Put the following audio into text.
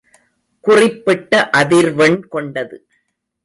குறிப்பிட்ட அதிர்வெண் கொண்டது.